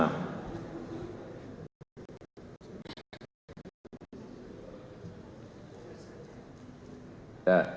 ntar oh sekarang banyak